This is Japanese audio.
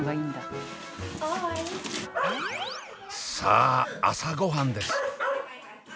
さあ朝ごはんです。